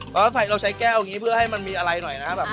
เราก็ใช้แก้วแบบนี้เพื่อให้มันมีอะไรหน่อยนะครับ